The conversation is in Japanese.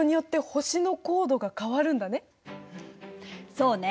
そうね。